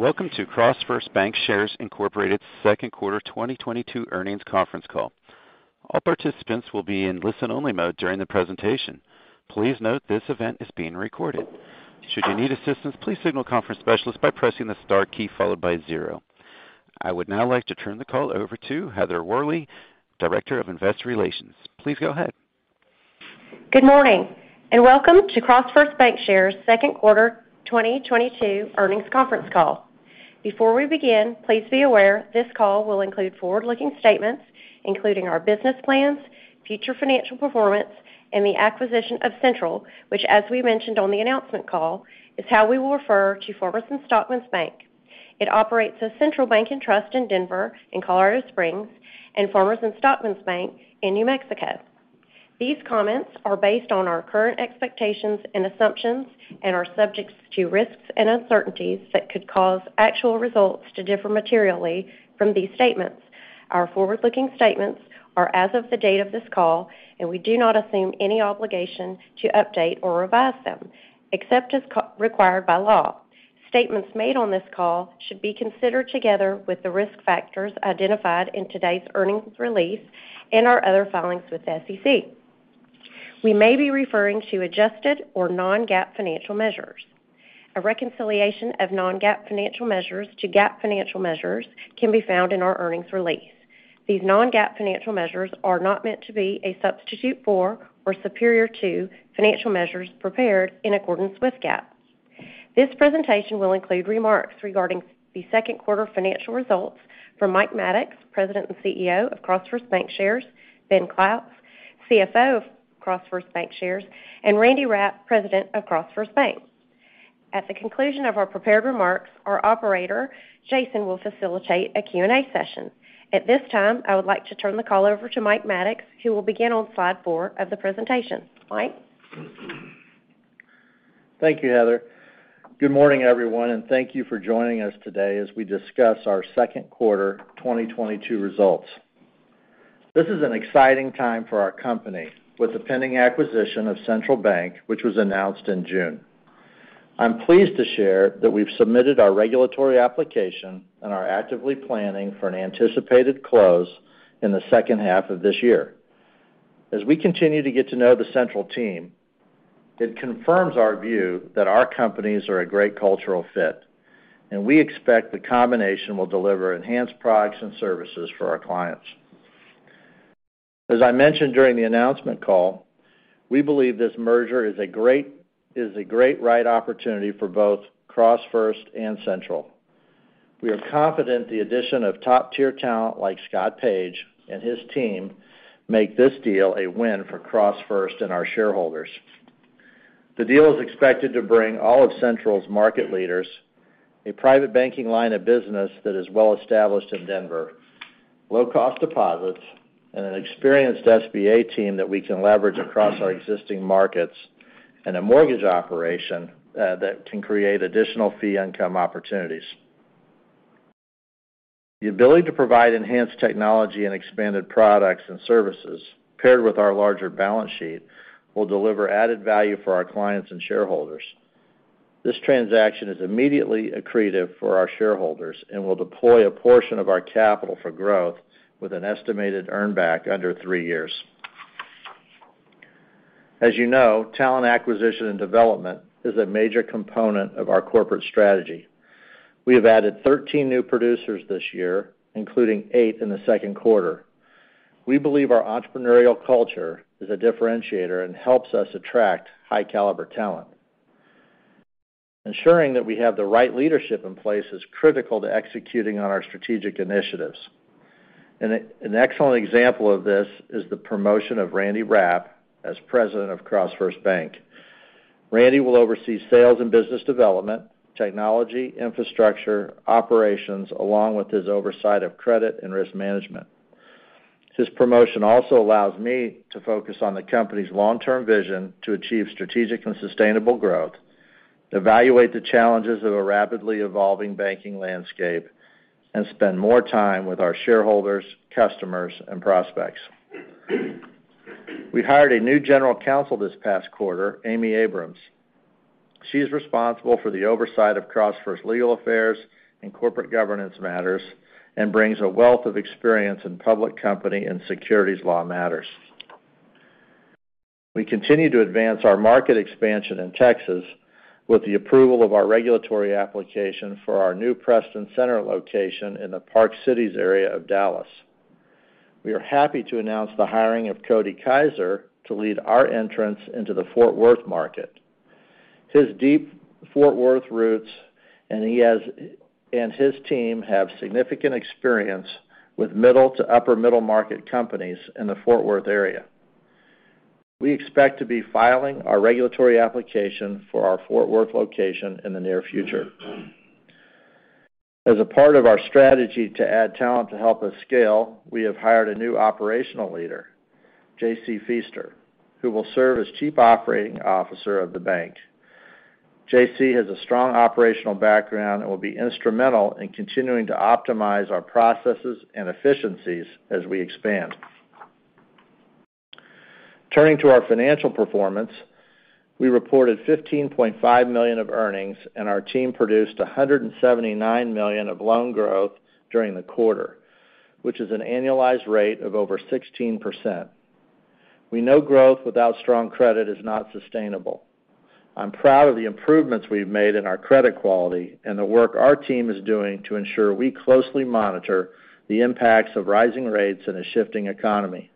Welcome to CrossFirst Bankshares, Inc. second quarter 2022 earnings conference call. All participants will be in listen-only mode during the presentation. Please note this event is being recorded. Should you need assistance, please signal conference specialist by pressing the star key followed by zero. I would now like to turn the call over to Heather Worley, Director of Investor Relations. Please go ahead. Good morning and welcome to CrossFirst Bankshares second quarter 2022 earnings conference call. Before we begin, please be aware this call will include forward-looking statements, including our business plans, future financial performance, and the acquisition of Central, which as we mentioned on the announcement call, is how we will refer to Farmers & Stockmen's Bank. It operates a Central Bank & Trust in Denver and Colorado Springs and Farmers & Stockmen's Bank in New Mexico. These comments are based on our current expectations and assumptions and are subject to risks and uncertainties that could cause actual results to differ materially from these statements. Our forward-looking statements are as of the date of this call, and we do not assume any obligation to update or revise them, except as required by law. Statements made on this call should be considered together with the risk factors identified in today's earnings release and our other filings with the SEC. We may be referring to adjusted or non-GAAP financial measures. A reconciliation of non-GAAP financial measures to GAAP financial measures can be found in our earnings release. These non-GAAP financial measures are not meant to be a substitute for or superior to financial measures prepared in accordance with GAAP. This presentation will include remarks regarding the second quarter financial results from Mike Maddox, President and CEO of CrossFirst Bankshares, Ben Clouse, CFO of CrossFirst Bankshares, and Randy Rapp, President of CrossFirst Bank. At the conclusion of our prepared remarks, our operator, Jason, will facilitate a Q&A session. At this time, I would like to turn the call over to Mike Maddox, who will begin on Slide 4 of the presentation. Mike? Thank you, Heather. Good morning, everyone, and thank you for joining us today as we discuss our second quarter 2022 results. This is an exciting time for our company with the pending acquisition of Central Bank & Trust, which was announced in June. I'm pleased to share that we've submitted our regulatory application and are actively planning for an anticipated close in the second half of this year. As we continue to get to know the Central team, it confirms our view that our companies are a great cultural fit, and we expect the combination will deliver enhanced products and services for our clients. As I mentioned during the announcement call, we believe this merger is a great right opportunity for both CrossFirst and Central. We are confident the addition of top-tier talent like Scott Page and his team make this deal a win for CrossFirst and our shareholders. The deal is expected to bring all of Central's market leaders a private banking line of business that is well established in Denver, low-cost deposits and an experienced SBA team that we can leverage across our existing markets, and a mortgage operation that can create additional fee income opportunities. The ability to provide enhanced technology and expanded products and services paired with our larger balance sheet will deliver added value for our clients and shareholders. This transaction is immediately accretive for our shareholders and will deploy a portion of our capital for growth with an estimated earn back under three years. As you know, talent acquisition and development is a major component of our corporate strategy. We have added 13 new producers this year, including eight in the second quarter. We believe our entrepreneurial culture is a differentiator and helps us attract high-caliber talent. Ensuring that we have the right leadership in place is critical to executing on our strategic initiatives. An excellent example of this is the promotion of Randy Rapp as president of CrossFirst Bank. Randy will oversee sales and business development, technology, infrastructure, operations, along with his oversight of credit and risk management. His promotion also allows me to focus on the company's long-term vision to achieve strategic and sustainable growth, evaluate the challenges of a rapidly evolving banking landscape, and spend more time with our shareholders, customers, and prospects. We hired a new General Counsel this past quarter, Amy Abrams. She's responsible for the oversight of CrossFirst legal affairs and corporate governance matters and brings a wealth of experience in public company and securities law matters. We continue to advance our market expansion in Texas with the approval of our regulatory application for our new Preston Center location in the Park Cities area of Dallas. We are happy to announce the hiring of Cody Kiser to lead our entrance into the Fort Worth market. His deep Fort Worth roots, and his team have significant experience with middle to upper middle market companies in the Fort Worth area. We expect to be filing our regulatory application for our Fort Worth location in the near future. As a part of our strategy to add talent to help us scale, we have hired a new operational leader, JC Pfeister, who will serve as Chief Operating Officer of the bank. JC has a strong operational background and will be instrumental in continuing to optimize our processes and efficiencies as we expand. Turning to our financial performance, we reported $15.5 million of earnings and our team produced $179 million of loan growth during the quarter, which is an annualized rate of over 16%. We know growth without strong credit is not sustainable. I'm proud of the improvements we've made in our credit quality and the work our team is doing to ensure we closely monitor the impacts of rising rates in a shifting economy.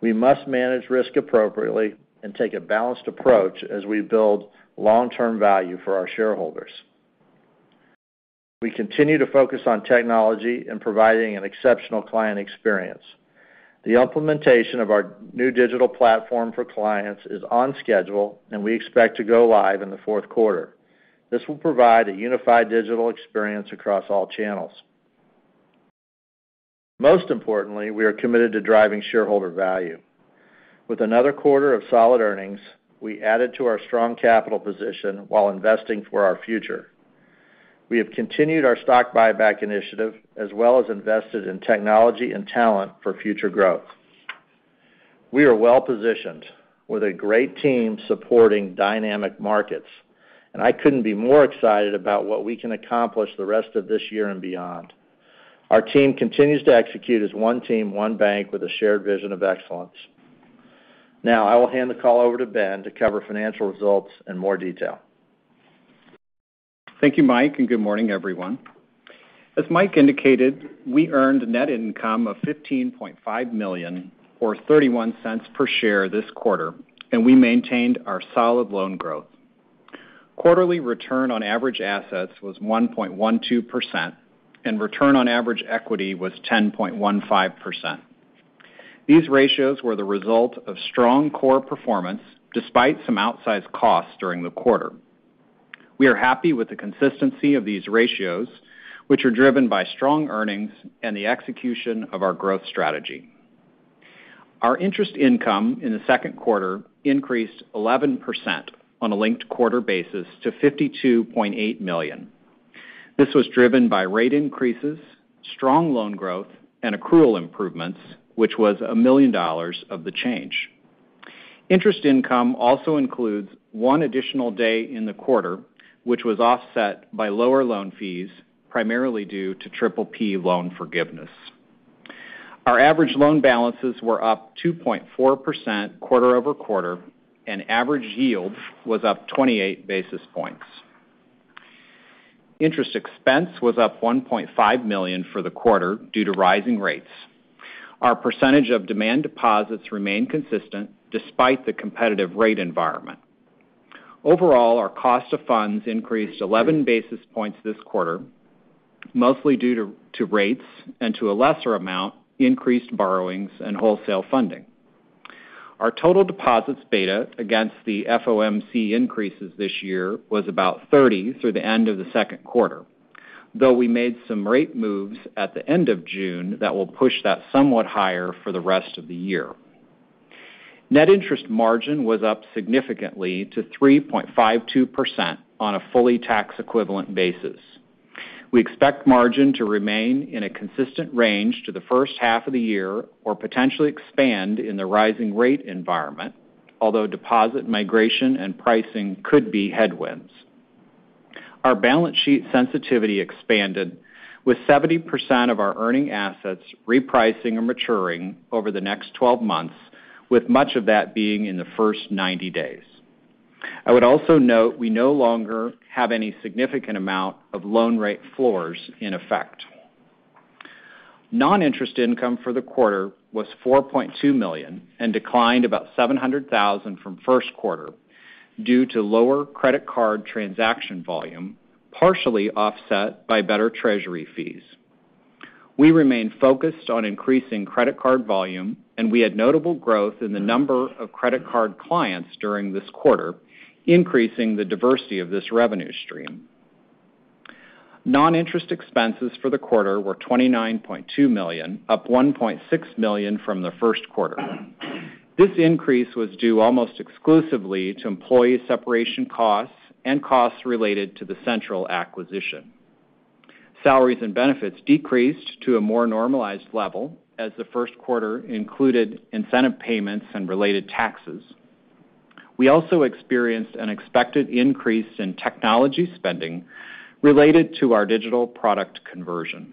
We must manage risk appropriately and take a balanced approach as we build long-term value for our shareholders. We continue to focus on technology and providing an exceptional client experience. The implementation of our new digital platform for clients is on schedule, and we expect to go live in the fourth quarter. This will provide a unified digital experience across all channels. Most importantly, we are committed to driving shareholder value. With another quarter of solid earnings, we added to our strong capital position while investing for our future. We have continued our stock buyback initiative, as well as invested in technology and talent for future growth. We are well-positioned with a great team supporting dynamic markets, and I couldn't be more excited about what we can accomplish the rest of this year and beyond. Our team continues to execute as one team, one bank with a shared vision of excellence. Now, I will hand the call over to Ben to cover financial results in more detail. Thank you, Mike, and good morning, everyone. As Mike indicated, we earned net income of $15.5 million or $0.31 per share this quarter, and we maintained our solid loan growth. Quarterly return on average assets was 1.12%, and return on average equity was 10.15%. These ratios were the result of strong core performance despite some outsized costs during the quarter. We are happy with the consistency of these ratios, which are driven by strong earnings and the execution of our growth strategy. Our interest income in the second quarter increased 11% on a linked-quarter basis to $52.8 million. This was driven by rate increases, strong loan growth, and accrual improvements, which was $1 million of the change. Interest income also includes one additional day in the quarter, which was offset by lower loan fees, primarily due to PPP loan forgiveness. Our average loan balances were up 2.4% quarter-over-quarter, and average yield was up 28 basis points. Interest expense was up $1.5 million for the quarter due to rising rates. Our percentage of demand deposits remain consistent despite the competitive rate environment. Overall, our cost of funds increased 11 basis points this quarter, mostly due to rates and to a lesser amount, increased borrowings and wholesale funding. Our total deposits beta against the FOMC increases this year was about 30 through the end of the second quarter, though we made some rate moves at the end of June that will push that somewhat higher for the rest of the year. Net interest margin was up significantly to 3.52% on a fully tax equivalent basis. We expect margin to remain in a consistent range to the first half of the year or potentially expand in the rising rate environment, although deposit migration and pricing could be headwinds. Our balance sheet sensitivity expanded with 70% of our earning assets repricing or maturing over the next 12 months, with much of that being in the first 90 days. I would also note we no longer have any significant amount of loan rate floors in effect. Non-interest income for the quarter was $4.2 million and declined about $700,000 from first quarter due to lower credit card transaction volume, partially offset by better treasury fees. We remain focused on increasing credit card volume, and we had notable growth in the number of credit card clients during this quarter, increasing the diversity of this revenue stream. Non-interest expenses for the quarter were $29.2 million, up $1.6 million from the first quarter. This increase was due almost exclusively to employee separation costs and costs related to the Central acquisition. Salaries and benefits decreased to a more normalized level as the first quarter included incentive payments and related taxes. We also experienced an expected increase in technology spending related to our digital product conversion.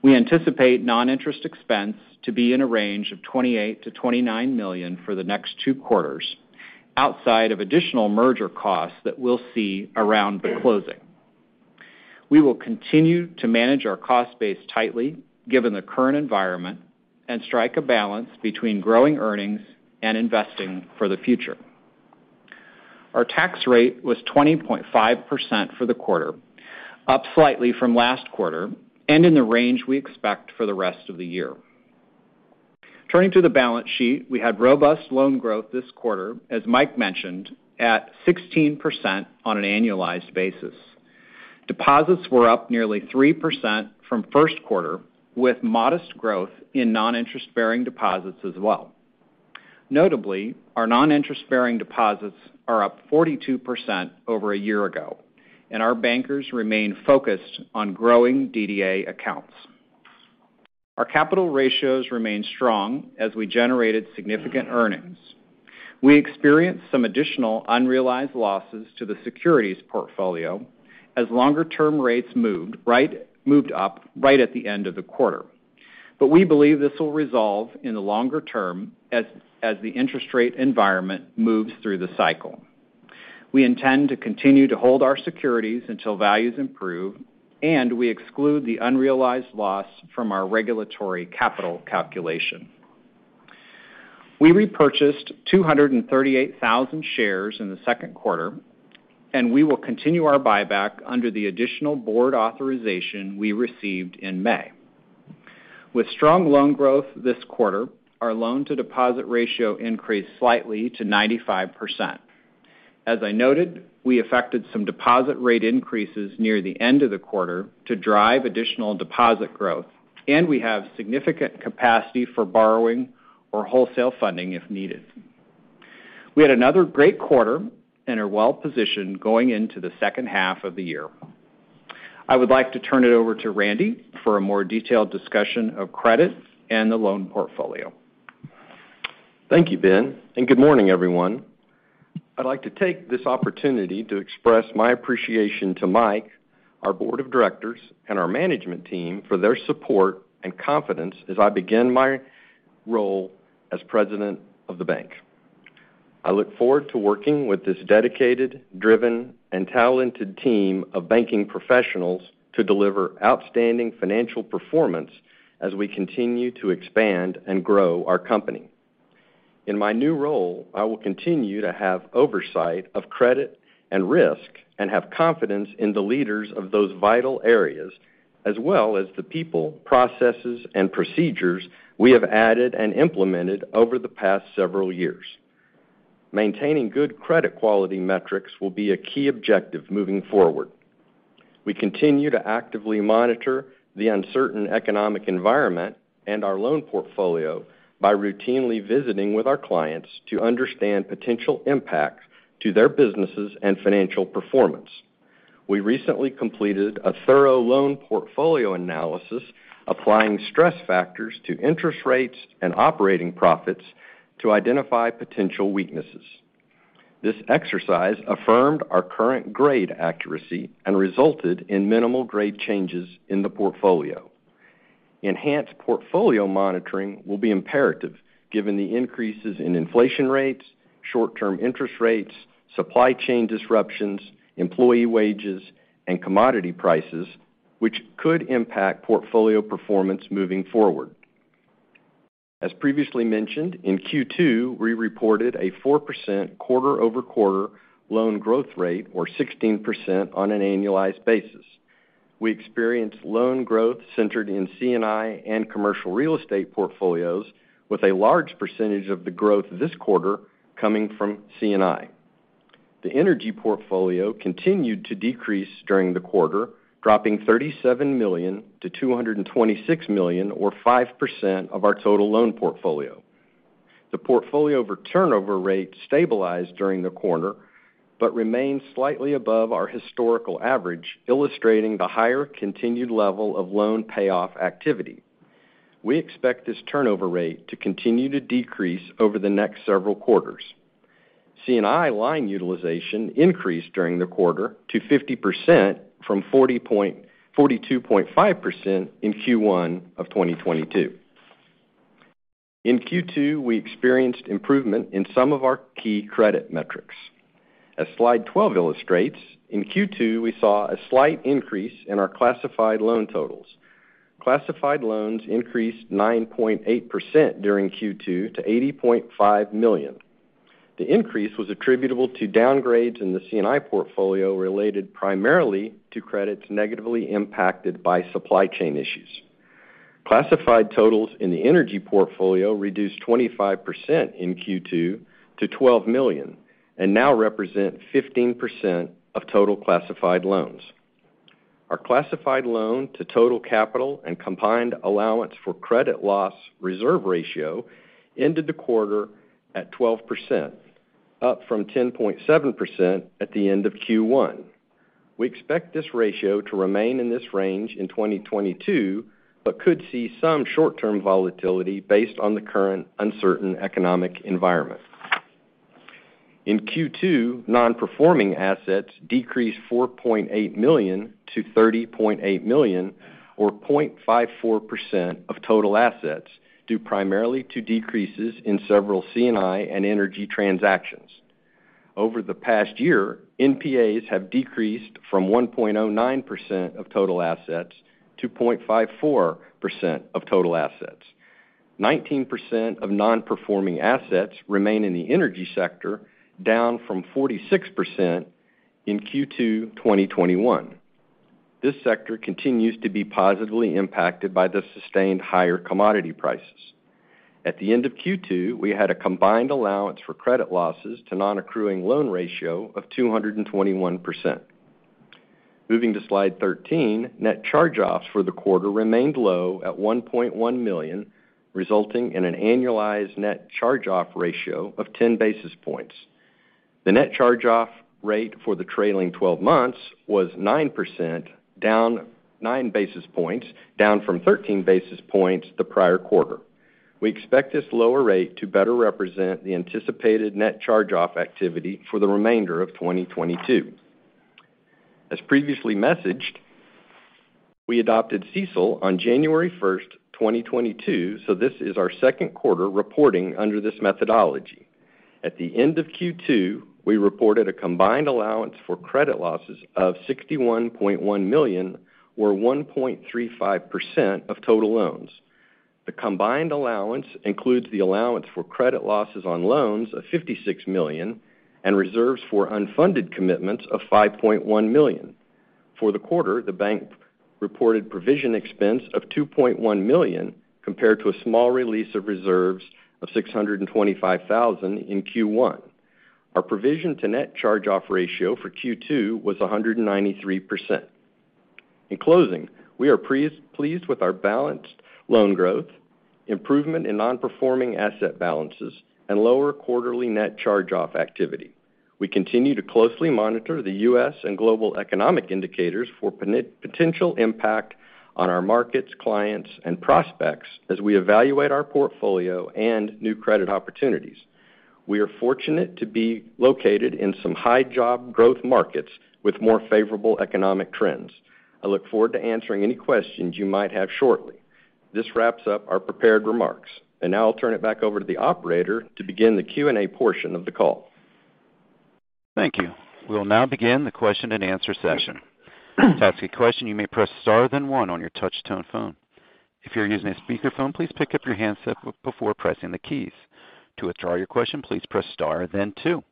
We anticipate non-interest expense to be in a range of $28 million-$29 million for the next two quarters outside of additional merger costs that we'll see around the closing. We will continue to manage our cost base tightly given the current environment and strike a balance between growing earnings and investing for the future. Our tax rate was 20.5% for the quarter, up slightly from last quarter and in the range we expect for the rest of the year. Turning to the balance sheet, we had robust loan growth this quarter, as Mike mentioned, at 16% on an annualized basis. Deposits were up nearly 3% from first quarter, with modest growth in non-interest-bearing deposits as well. Notably, our non-interest-bearing deposits are up 42% over a year ago. Our bankers remain focused on growing DDA accounts. Our capital ratios remain strong as we generated significant earnings. We experienced some additional unrealized losses to the securities portfolio as longer-term rates moved up right at the end of the quarter. We believe this will resolve in the longer term as the interest rate environment moves through the cycle. We intend to continue to hold our securities until values improve, and we exclude the unrealized loss from our regulatory capital calculation. We repurchased 238,000 shares in the second quarter, and we will continue our buyback under the additional board authorization we received in May. With strong loan growth this quarter, our loan-to-deposit ratio increased slightly to 95%. As I noted, we affected some deposit rate increases near the end of the quarter to drive additional deposit growth, and we have significant capacity for borrowing or wholesale funding if needed. We had another great quarter and are well-positioned going into the second half of the year. I would like to turn it over to Randy for a more detailed discussion of credit and the loan portfolio. Thank you, Ben, and good morning, everyone. I'd like to take this opportunity to express my appreciation to Mike, our board of directors, and our management team for their support and confidence as I begin my role as President of the bank. I look forward to working with this dedicated, driven, and talented team of banking professionals to deliver outstanding financial performance as we continue to expand and grow our company. In my new role, I will continue to have oversight of credit and risk and have confidence in the leaders of those vital areas, as well as the people, processes, and procedures we have added and implemented over the past several years. Maintaining good credit quality metrics will be a key objective moving forward. We continue to actively monitor the uncertain economic environment and our loan portfolio by routinely visiting with our clients to understand potential impact to their businesses and financial performance. We recently completed a thorough loan portfolio analysis, applying stress factors to interest rates and operating profits to identify potential weaknesses. This exercise affirmed our current grade accuracy and resulted in minimal grade changes in the portfolio. Enhanced portfolio monitoring will be imperative given the increases in inflation rates, short-term interest rates, supply chain disruptions, employee wages, and commodity prices, which could impact portfolio performance moving forward. As previously mentioned, in Q2, we reported a 4% quarter-over-quarter loan growth rate, or 16% on an annualized basis. We experienced loan growth centered in C&I and commercial real estate portfolios, with a large percentage of the growth this quarter coming from C&I. The energy portfolio continued to decrease during the quarter, dropping $37 million to $226 million, or 5% of our total loan portfolio. The portfolio turnover rate stabilized during the quarter, but remains slightly above our historical average, illustrating the higher continued level of loan payoff activity. We expect this turnover rate to continue to decrease over the next several quarters. C&I line utilization increased during the quarter to 50% from 42.5% in Q1 of 2022. In Q2, we experienced improvement in some of our key credit metrics. As Slide 12 illustrates, in Q2, we saw a slight increase in our classified loan totals. Classified loans increased 9.8% during Q2 to $80.5 million. The increase was attributable to downgrades in the C&I portfolio related primarily to credits negatively impacted by supply chain issues. Classified totals in the energy portfolio reduced 25% in Q2 to $12 million and now represent 15% of total classified loans. Our classified loan to total capital and combined allowance for credit loss reserve ratio ended the quarter at 12%, up from 10.7% at the end of Q1. We expect this ratio to remain in this range in 2022, but could see some short-term volatility based on the current uncertain economic environment. In Q2, nonperforming assets decreased $4.8 million to $30.8 million or 0.54% of total assets, due primarily to decreases in several C&I and energy transactions. Over the past year, NPAs have decreased from 1.09% of total assets to 0.54% of total assets. 19% of non-performing assets remain in the energy sector, down from 46% in Q2 2021. This sector continues to be positively impacted by the sustained higher commodity prices. At the end of Q2, we had a combined allowance for credit losses to non-accruing loan ratio of 221%. Moving to Slide 13, net charge-offs for the quarter remained low at $1.1 million, resulting in an annualized net charge-off ratio of 10 basis points. The net charge-off rate for the trailing twelve months was 9%, down 9 basis points, down from 13 basis points the prior quarter. We expect this lower rate to better represent the anticipated net charge-off activity for the remainder of 2022. As previously messaged, we adopted CECL on January 1, 2022, so this is our second quarter reporting under this methodology. At the end of Q2, we reported a combined allowance for credit losses of $61.1 million, or 1.35% of total loans. The combined allowance includes the allowance for credit losses on loans of $56 million and reserves for unfunded commitments of $5.1 million. For the quarter, the bank reported provision expense of $2.1 million compared to a small release of reserves of $625,000 in Q1. Our provision to net charge-off ratio for Q2 was 193%. In closing, we are pleased with our balanced loan growth, improvement in nonperforming asset balances, and lower quarterly net charge-off activity. We continue to closely monitor the U.S. and global economic indicators for potential impact on our markets, clients, and prospects as we evaluate our portfolio and new credit opportunities. We are fortunate to be located in some high job growth markets with more favorable economic trends. I look forward to answering any questions you might have shortly. This wraps up our prepared remarks. Now I'll turn it back over to the operator to begin the Q&A portion of the call. Thank you. We'll now begin the question-and-answer session. To ask a question, you may press star, then one on your touch tone phone. If you're using a speaker phone, please pick up your handset before pressing the keys. To withdraw your question, please press star then two.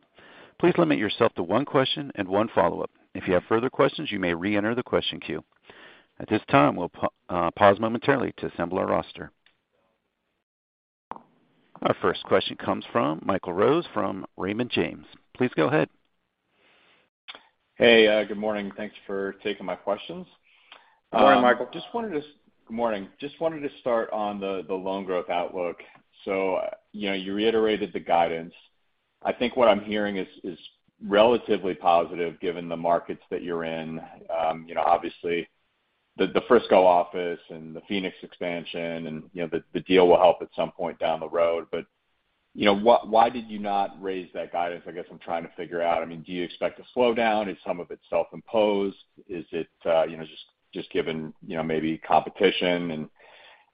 Please limit yourself to one question and one follow-up. If you have further questions, you may reenter the question queue. At this time, we'll pause momentarily to assemble our roster. Our first question comes from Michael Rose from Raymond James. Please go ahead. Hey, good morning. Thanks for taking my questions. Good morning, Michael. Good morning. Just wanted to start on the loan growth outlook. You know, you reiterated the guidance. I think what I'm hearing is relatively positive given the markets that you're in. You know, obviously the Frisco office and the Phoenix expansion and, you know, the deal will help at some point down the road. You know, why did you not raise that guidance? I guess I'm trying to figure out. I mean, do you expect a slowdown? Is some of it self-imposed? Is it, you know, just given, you know, maybe competition and,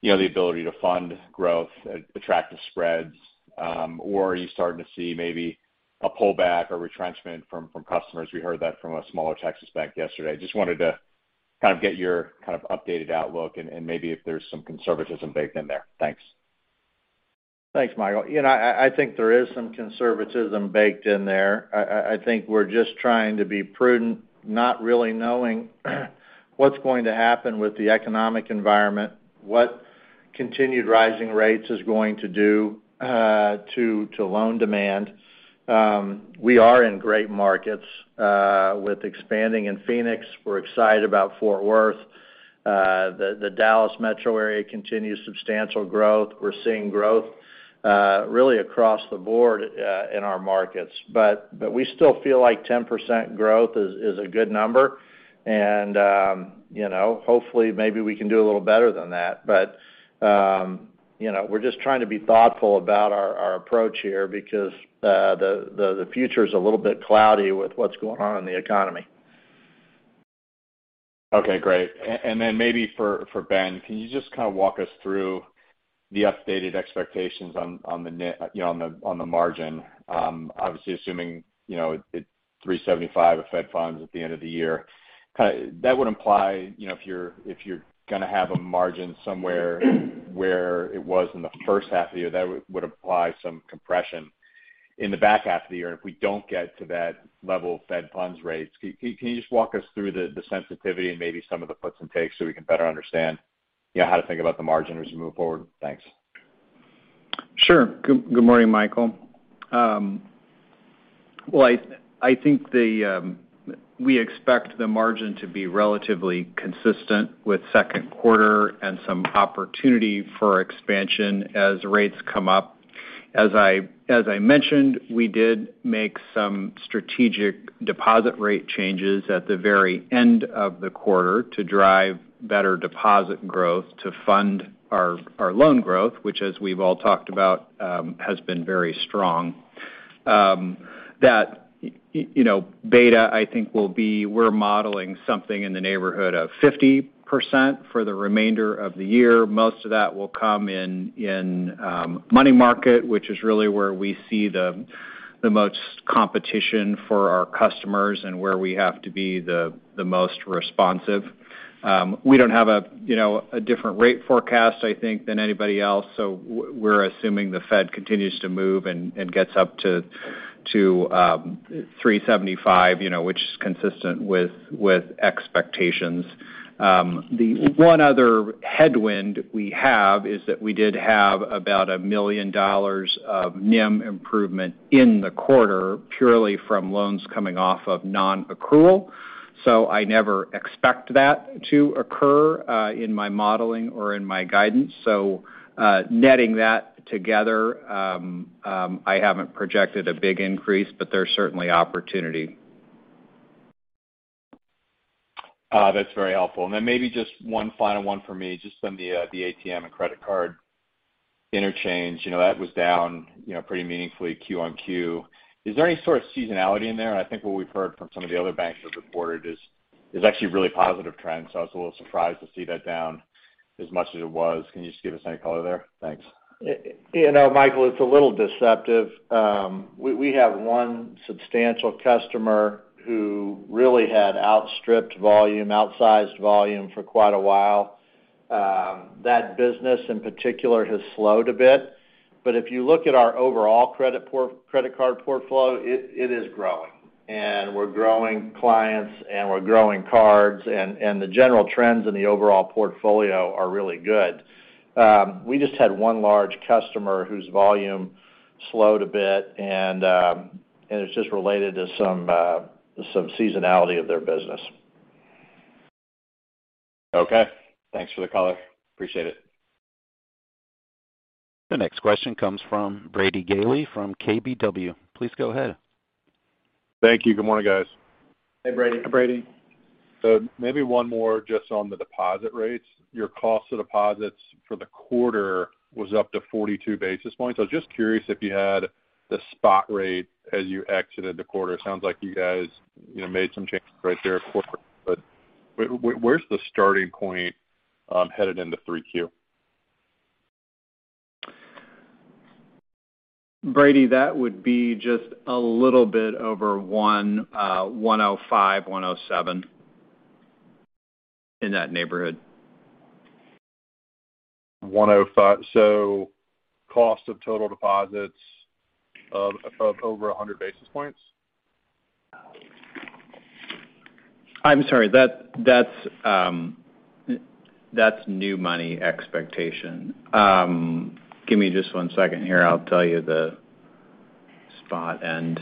you know, the ability to fund growth, attractive spreads? Or are you starting to see maybe a pullback or retrenchment from customers? We heard that from a smaller Texas bank yesterday. Just wanted to kind of get your kind of updated outlook and maybe if there's some conservatism baked in there. Thanks. Thanks, Michael. You know, I think there is some conservatism baked in there. I think we're just trying to be prudent, not really knowing what's going to happen with the economic environment, what continued rising rates is going to do to loan demand. We are in great markets with expanding in Phoenix. We're excited about Fort Worth. The Dallas metro area continues substantial growth. We're seeing growth really across the board in our markets. We still feel like 10% growth is a good number and you know, hopefully maybe we can do a little better than that. We're just trying to be thoughtful about our approach here because the future is a little bit cloudy with what's going on in the economy. Okay, great. Then maybe for Ben, can you just kind of walk us through the updated expectations on the net margin? Obviously assuming 3.75% Fed funds at the end of the year. That would imply, you know, if you're gonna have a margin somewhere where it was in the first half of the year, that would apply some compression in the back half of the year. If we don't get to that level of Fed funds rates, can you just walk us through the sensitivity and maybe some of the puts and takes so we can better understand, you know, how to think about the margin as we move forward? Thanks. Sure. Good morning, Michael. Well, I think we expect the margin to be relatively consistent with second quarter and some opportunity for expansion as rates come up. As I mentioned, we did make some strategic deposit rate changes at the very end of the quarter to drive better deposit growth to fund our loan growth, which as we've all talked about has been very strong. That, you know, beta, I think, will be. We're modeling something in the neighborhood of 50% for the remainder of the year. Most of that will come in money market, which is really where we see the most competition for our customers and where we have to be the most responsive. We don't have, you know, a different rate forecast, I think, than anybody else. We're assuming the Fed continues to move and gets up to 3.75, you know, which is consistent with expectations. The one other headwind we have is that we did have about $1 million of NIM improvement in the quarter, purely from loans coming off of non-accrual. I never expect that to occur in my modeling or in my guidance. Netting that together, I haven't projected a big increase, but there's certainly opportunity. That's very helpful. Maybe just one final one for me, just on the ATM and credit card interchange. You know, that was down, you know, pretty meaningfully Q-on-Q. Is there any sort of seasonality in there? I think what we've heard from some of the other banks that reported is actually a really positive trend, so I was a little surprised to see that down as much as it was. Can you just give us any color there? Thanks. You know, Michael, it's a little deceptive. We have one substantial customer who really had outsized volume for quite a while. That business, in particular, has slowed a bit. If you look at our overall credit card portfolio, it is growing. We're growing clients, and we're growing cards, and the general trends in the overall portfolio are really good. We just had one large customer whose volume slowed a bit, and it's just related to some seasonality of their business. Okay. Thanks for the color. Appreciate it. The next question comes from Brady Gailey from KBW. Please go ahead. Thank you. Good morning, guys. Hey, Brady. Brady. Maybe one more just on the deposit rates. Your cost of deposits for the quarter was up to 42 basis points. I was just curious if you had the spot rate as you exited the quarter. It sounds like you guys, you know, made some changes right there at quarter. Where's the starting point headed into 3Q? Brady, that would be just a little bit over 105, 107. In that neighborhood. 105. Cost of total deposits of over 100 basis points? I'm sorry. That's new money expectation. Give me just one second here. I'll tell you the spot end.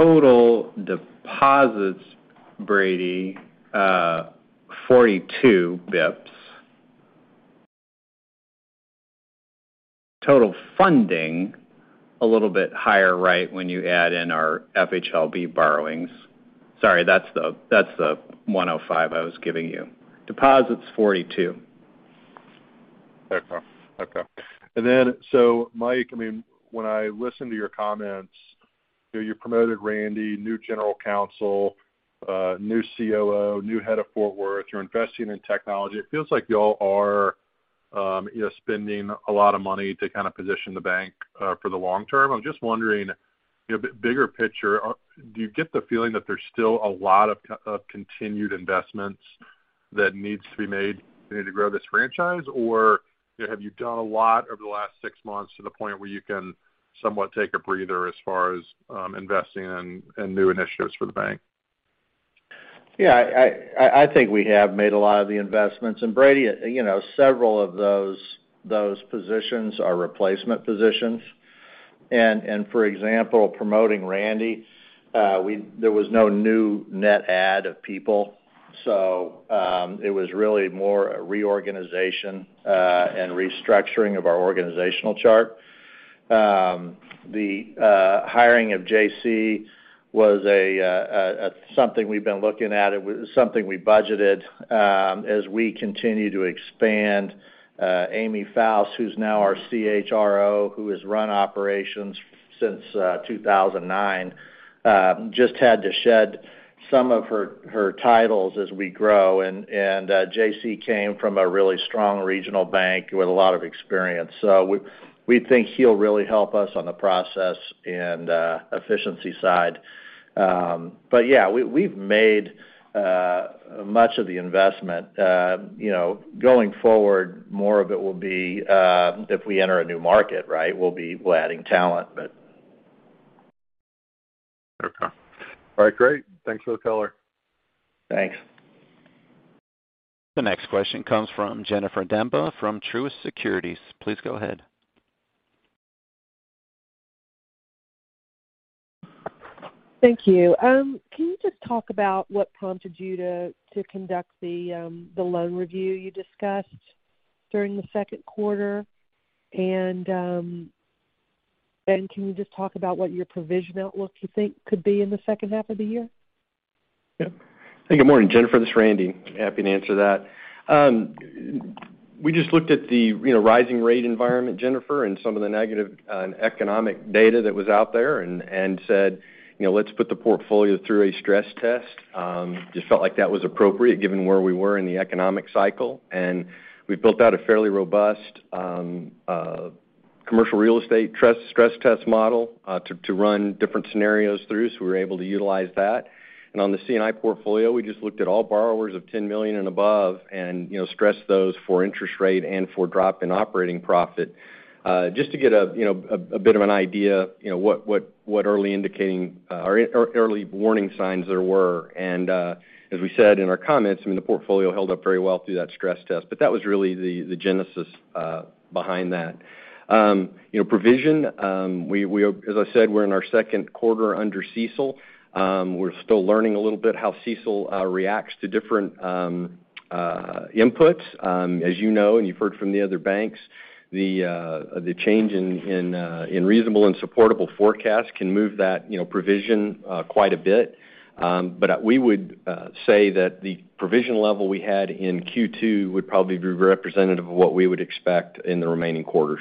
Total deposits, Brady, 42 basis points. Total funding, a little bit higher, right, when you add in our FHLB borrowings. Sorry, that's the 105 I was giving you. Deposits 42. Mike, I mean, when I listen to your comments, you know, you promoted Randy, new general counsel, new COO, new head of Fort Worth. You're investing in technology. It feels like y'all are, you know, spending a lot of money to kind of position the bank for the long term. I'm just wondering, you know, bigger picture, do you get the feeling that there's still a lot of continued investments that needs to be made to grow this franchise? Or, you know, have you done a lot over the last six months to the point where you can somewhat take a breather as far as investing in new initiatives for the bank? Yeah, I think we have made a lot of the investments. Brady, you know, several of those positions are replacement positions. For example, promoting Randy, there was no new net add of people. It was really more a reorganization and restructuring of our organizational chart. The hiring of JC was something we've been looking at. It was something we budgeted as we continue to expand. Amy Foust, who's now our CHRO, who has run operations since 2009, just had to shed some of her titles as we grow. JC came from a really strong regional bank with a lot of experience. We think he'll really help us on the process and efficiency side. Yeah, we have made much of the investment. You know, going forward, more of it will be if we enter a new market, right. We'll be adding talent, but. Okay. All right, great. Thanks for the color. Thanks. The next question comes from Jennifer Demba from Truist Securities. Please go ahead. Thank you. Can you just talk about what prompted you to conduct the loan review you discussed during the second quarter? Then can you just talk about what your provision outlook you think could be in the second half of the year? Yeah. Good morning, Jennifer. This is Randy. Happy to answer that. We just looked at the you know rising rate environment, Jennifer, and some of the negative economic data that was out there and said you know let's put the portfolio through a stress test. Just felt like that was appropriate given where we were in the economic cycle. We built out a fairly robust commercial real estate trust stress test model to run different scenarios through, so we were able to utilize that. On the C&I portfolio, we just looked at all borrowers of $10 million and above and you know stressed those for interest rate and for drop in operating profit just to get a you know a bit of an idea you know what early indicating or early warning signs there were. as we said in our comments, I mean, the portfolio held up very well through that stress test. That was really the genesis behind that. You know, we, as I said, we're in our second quarter under CECL. We're still learning a little bit how CECL reacts to different inputs, as you know, and you've heard from the other banks, the change in reasonable and supportable forecasts can move that, you know, provision quite a bit. We would say that the provision level we had in Q2 would probably be representative of what we would expect in the remaining quarters.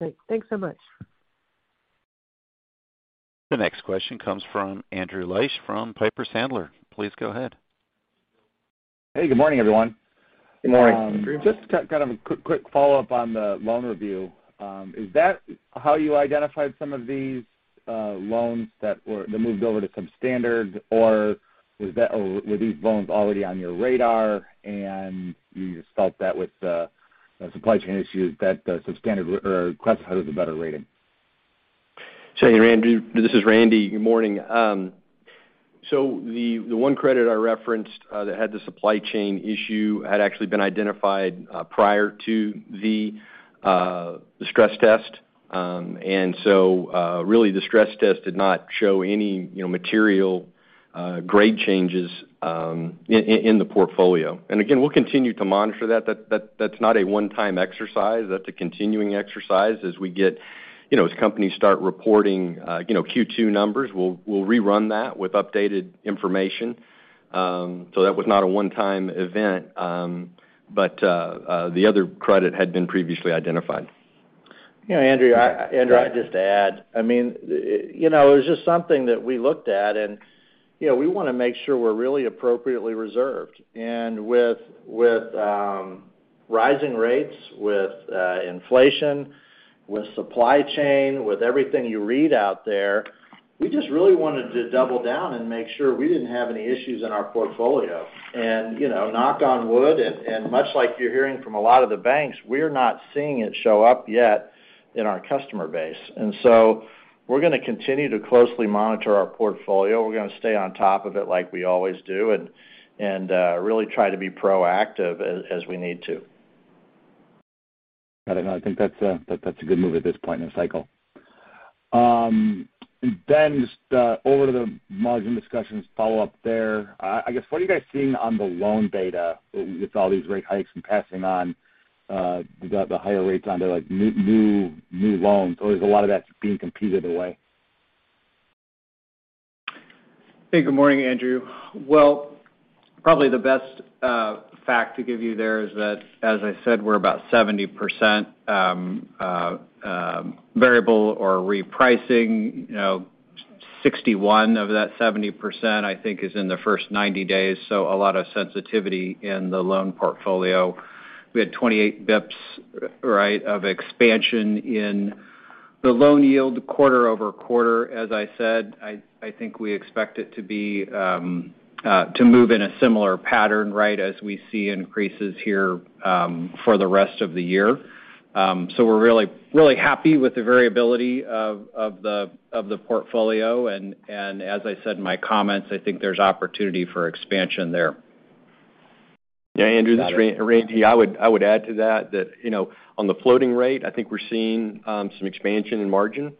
Great. Thanks so much. The next question comes from Andrew Liesch from Piper Sandler. Please go ahead. Hey, good morning, everyone. Good morning. Just kind of a quick follow-up on the loan review. Is that how you identified some of these loans that moved over to substandard, or were these loans already on your radar, and you just felt that with the supply chain issues that the substandard were classified as a better rating? Sure, Andrew. This is Randy. Good morning. The one credit I referenced that had the supply chain issue had actually been identified prior to the stress test. Really, the stress test did not show any, you know, material grade changes in the portfolio. Again, we'll continue to monitor that. That's not a one-time exercise. That's a continuing exercise as we get, you know, as companies start reporting, you know, Q2 numbers. We'll rerun that with updated information. That was not a one-time event. The other credit had been previously identified. You know, Andrew, I'd just add, I mean, you know, it was just something that we looked at and, you know, we wanna make sure we're really appropriately reserved. With rising rates, with inflation, with supply chain, with everything you read out there, we just really wanted to double down and make sure we didn't have any issues in our portfolio. You know, knock on wood, and much like you're hearing from a lot of the banks, we're not seeing it show up yet in our customer base. We're gonna continue to closely monitor our portfolio. We're gonna stay on top of it like we always do and really try to be proactive as we need to. Got it. I think that's a good move at this point in the cycle. Just over to the margin discussions follow up there. I guess, what are you guys seeing on the loan beta with all these rate hikes and passing on the higher rates onto, like, new loans? Or is a lot of that being competed away? Hey, good morning, Andrew. Well, probably the best fact to give you there is that, as I said, we're about 70% variable or repricing. You know, 61 of that 70%, I think, is in the first 90 days, so a lot of sensitivity in the loan portfolio. We had 28 basis points, right, of expansion in the loan yield quarter-over-quarter. As I said, I think we expect it to move in a similar pattern, right, as we see increases here, for the rest of the year. So we're really, really happy with the variability of the portfolio. As I said in my comments, I think there's opportunity for expansion there. Got it. Yeah, Andrew, this is Randy. I would add to that, you know, on the floating rate, I think we're seeing some expansion in margin.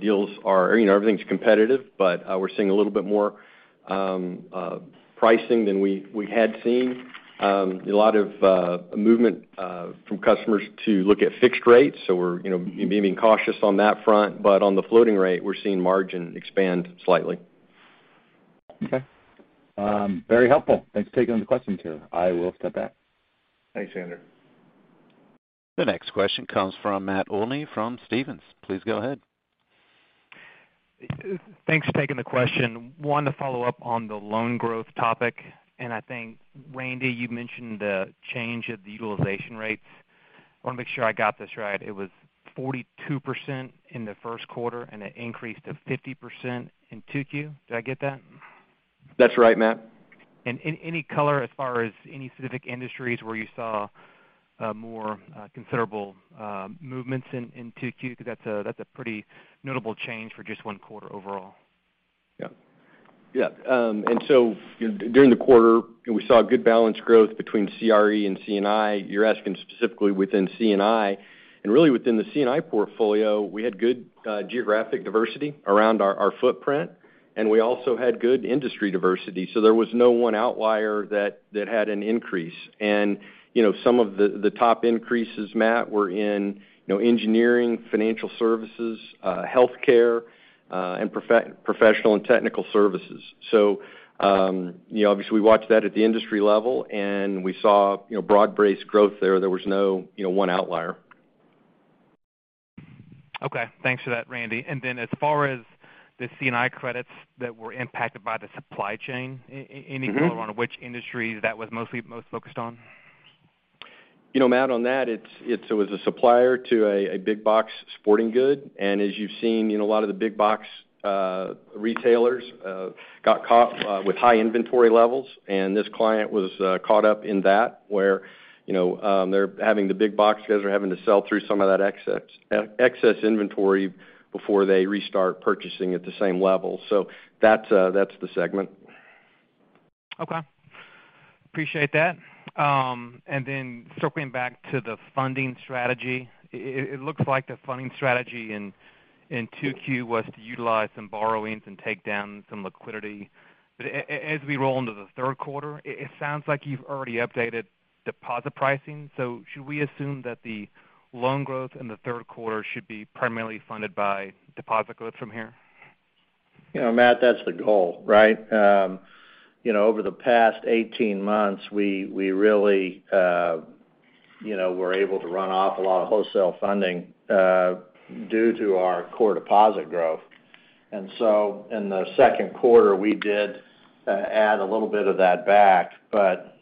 Deals are, you know, everything's competitive, but we're seeing a little bit more pricing than we had seen. A lot of movement from customers to look at fixed rates. So we're, you know, being cautious on that front. But on the floating rate, we're seeing margin expand slightly. Okay. Very helpful. Thanks for taking the question, too. I will step back. Thanks, Andrew. The next question comes from Matt Olney from Stephens. Please go ahead. Thanks for taking the question. Wanted to follow up on the loan growth topic, and I think, Randy, you mentioned the change of the utilization rates. Wanna make sure I got this right. It was 42% in the first quarter, and it increased to 50% in 2Q. Did I get that? That's right, Matt. Any color as far as any specific industries where you saw more considerable movements in 2Q? Because that's a pretty notable change for just one quarter overall. Yeah. Yeah. You know, during the quarter, we saw good balance growth between CRE and C&I. You're asking specifically within C&I. Really within the C&I portfolio, we had good geographic diversity around our footprint, and we also had good industry diversity. There was no one outlier that had an increase. You know, some of the top increases, Matt, were in, you know, engineering, financial services, healthcare, and professional and technical services. You know, obviously, we watched that at the industry level, and we saw, you know, broad-based growth there. There was no, you know, one outlier. Okay. Thanks for that, Randy. As far as the C&I credits that were impacted by the supply chain. Mm-hmm. Any color on which industry that was most focused on? You know, Matt, on that, it was a supplier to a big box sporting goods. As you've seen, you know, a lot of the big box retailers got caught with high inventory levels, and this client was caught up in that, where you know they're having to sell through some of that excess inventory before they restart purchasing at the same level. That's the segment. Okay. Appreciate that. Circling back to the funding strategy, it looks like the funding strategy in 2Q was to utilize some borrowings and take down some liquidity. As we roll into the third quarter, it sounds like you've already updated deposit pricing. Should we assume that the loan growth in the third quarter should be primarily funded by deposit growth from here? You know, Matt, that's the goal, right? You know, over the past 18 months, we really, you know, were able to run off a lot of wholesale funding due to our core deposit growth. In the second quarter, we did add a little bit of that back.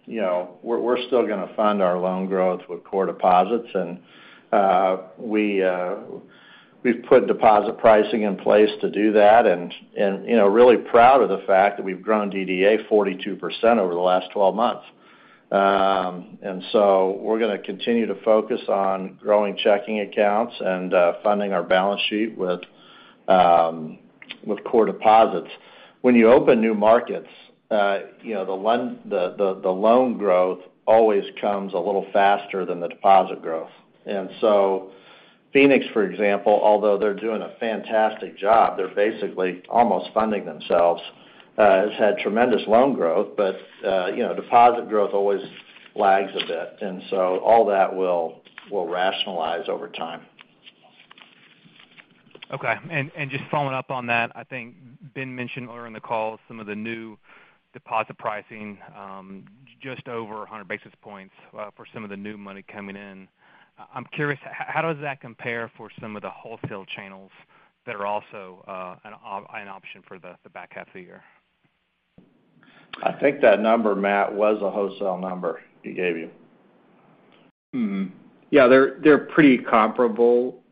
You know, we're still gonna fund our loan growth with core deposits. We've put deposit pricing in place to do that and, you know, really proud of the fact that we've grown DDA 42% over the last 12 months. We're gonna continue to focus on growing checking accounts and funding our balance sheet with core deposits. When you open new markets, you know, the loan growth always comes a little faster than the deposit growth. Phoenix, for example, although they're doing a fantastic job, they're basically almost funding themselves, has had tremendous loan growth, but you know, deposit growth always lags a bit, and so all that will rationalize over time. Okay. Just following up on that, I think Ben mentioned earlier in the call some of the new deposit pricing, just over 100 basis points, for some of the new money coming in. I'm curious, how does that compare for some of the wholesale channels that are also, an option for the back half of the year? I think that number, Matt, was a wholesale number he gave you. Yeah, they're pretty comparable,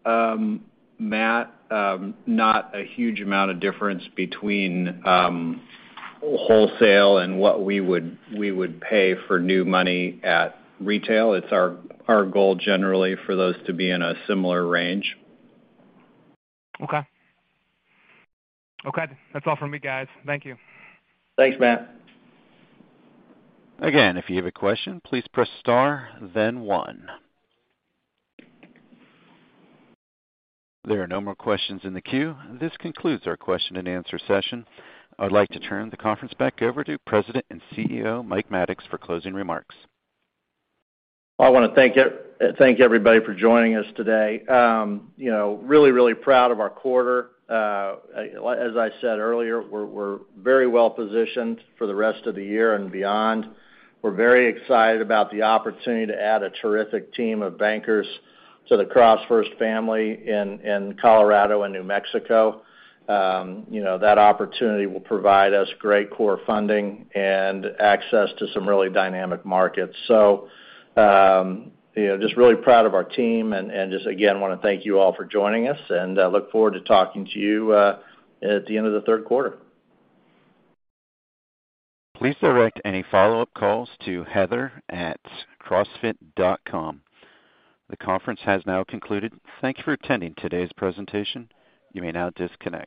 Matt. Not a huge amount of difference between wholesale and what we would pay for new money at retail. It's our goal generally for those to be in a similar range. Okay. That's all for me, guys. Thank you. Thanks, Matt. Again, if you have a question, please press star then one. There are no more questions in the queue. This concludes our question and answer session. I'd like to turn the conference back over to President and CEO, Mike Maddox, for closing remarks. I wanna thank everybody for joining us today. You know, really proud of our quarter. As I said earlier, we're very well-positioned for the rest of the year and beyond. We're very excited about the opportunity to add a terrific team of bankers to the CrossFirst family in Colorado and New Mexico. That opportunity will provide us great core funding and access to some really dynamic markets. You know, just really proud of our team and just again wanna thank you all for joining us, and I look forward to talking to you at the end of the third quarter. Please direct any follow-up calls to heather@crossfirst.com. The conference has now concluded. Thank you for attending today's presentation. You may now disconnect.